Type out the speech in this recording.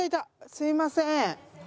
すいません。